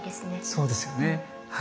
そうですよねはい。